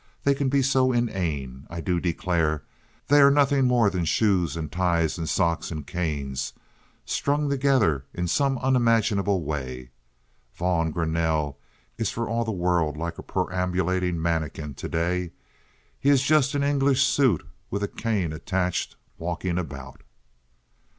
They can be so inane. I do declare, they are nothing more than shoes and ties and socks and canes strung together in some unimaginable way. Vaughn Greanelle is for all the world like a perambulating manikin to day. He is just an English suit with a cane attached walking about."